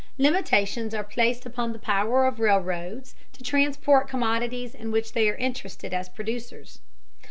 Limitations are placed upon the power of railroads to transport commodities in which they are interested as producers.